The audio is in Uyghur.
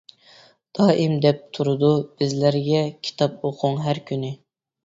دائىم دەپ تۇرىدۇ بىزلەرگە، كىتاب ئوقۇڭ ھەر كۈنى.